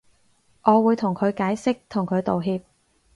我會同佢解釋同佢道歉